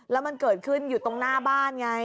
แล้วมันเกิดขึ้นอยู่ตรงหน้าบ้านไง